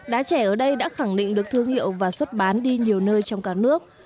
đá trẻ ở đây đã khẳng định được thương hiệu và xuất bán đi nhiều nơi trong cả nước